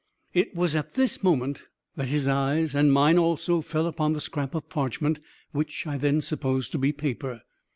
It was at this moment that his eyes, and mine also, fell upon the scrap of parchment, which I then supposed to be paper.